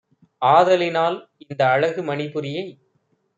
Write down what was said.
ஆதலினால் இந்த அழகு மணிபுரியை